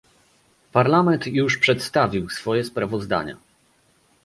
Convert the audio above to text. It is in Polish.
Parlament już przedstawił swoje sprawozdania